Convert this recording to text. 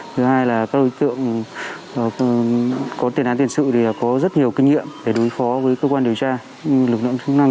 thứ hai là các đối tượng có tiền án tiền sự thì có rất nhiều kinh nghiệm để đối phó với cơ quan điều tra lực lượng chức năng